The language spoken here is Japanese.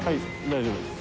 大丈夫です。